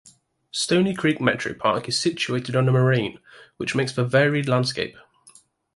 Stony Creek Metropark is situated on a moraine which makes for varied landscape.